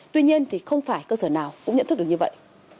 tuy nhiên thì không phải cơ sở nào cũng nhận thức được như vậy